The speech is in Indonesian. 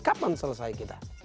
kapan selesai kita